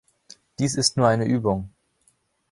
Dies ist nur eine Übung.